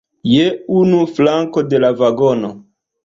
Je unu flanko de la vagono.